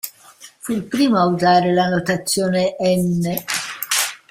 Fu il primo a usare la notazione "n"!